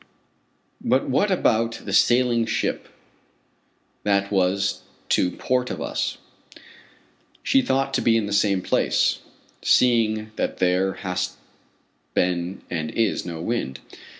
But what about the sailing ship that was to port of us? She ought to be in the same place, seeing that there has been and is no wind.